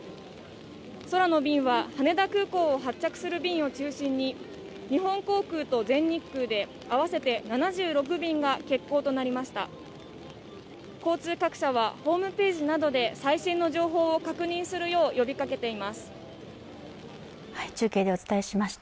空の便は、羽田空港を発着する便を中心に日本航空と全日空で合わせて７６便が欠航となりました。